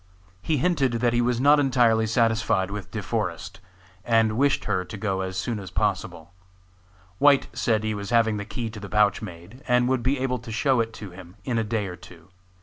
He hinted that he was not entirely satisfied with De Forest, and wished her to go as soon as possible. White said he was having the key to the pouch made, and would be able to show it to him in a day or two.